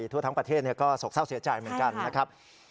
ทั่วทั้งประเทศก็โศกเศร้าเสียใจเหมือนกันนะครับ